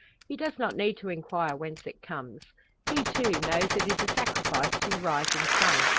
He does not need to inquire whence it comes. He, too, knows it is a sacrifice to the rising sun.